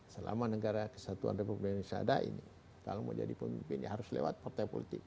selama negara kesatuan republik indonesia ada ini kalau mau jadi pemimpin ya harus lewat partai politik